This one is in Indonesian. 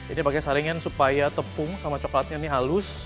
ini pakai saringan supaya tepung sama coklatnya ini halus